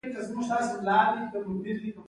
د زنده جان وریښم مشهور دي